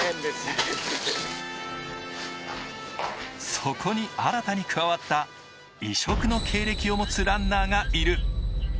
そこに新たに加わった異色の経歴を持つランナーがいる。